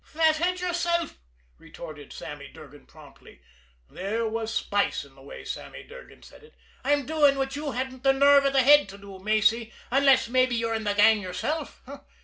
"Fathead, yourself!" retorted Sammy Durgan promptly and there was spice in the way Sammy Durgan said it. "I'm doing what you hadn't the nerve or the head to do, Macy unless mabbe you're in the gang yourself!